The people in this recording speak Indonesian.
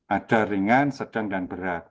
ada ringan sedang dan berat